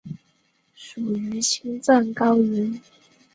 属于青藏高原。